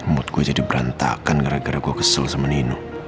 mutku jadi berantakan gara gara gue kesel sama nino